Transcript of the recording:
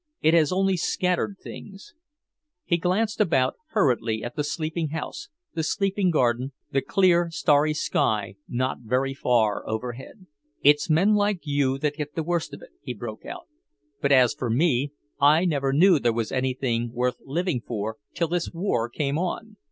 It has only scattered things." He glanced about hurriedly at the sleeping house, the sleeping garden, the clear, starry sky not very far overhead. "It's men like you that get the worst of it," he broke out. "But as for me, I never knew there was anything worth living for, till this war came on.